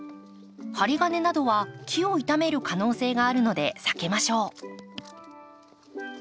針金などは木を傷める可能性があるので避けましょう。